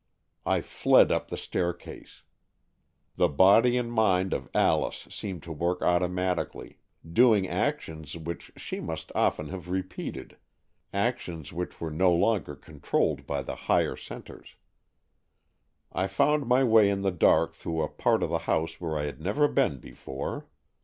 I fled up the staircase. The body and mind of Alice seemed to work automatically, doing actions which she must often have repeated, actions which were no longer controlled by the higher centres. I found my way in the dark through a part of the house where I had never been before.